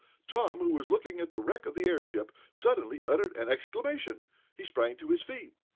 Tom, who was looking at the wreck of the airship, suddenly uttered an exclamation. He sprang to his feet.